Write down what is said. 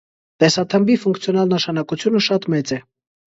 Տեսաթմբի ֆունկցիոնալ նշանակությունը շատ մեծ է։